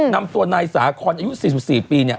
นำตัวนายสาคอนอายุ๔๔ปีเนี่ย